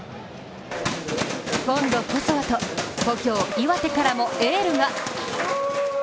今度こそはと、故郷・岩手からもエールが！